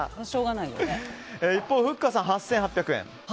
一方、ふっかさんは８８００円。